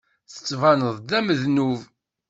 Tettbaneḍ-d d amednub.